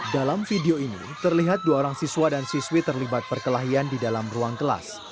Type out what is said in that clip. dalam video ini terlihat dua orang siswa dan siswi terlibat perkelahian di dalam ruang kelas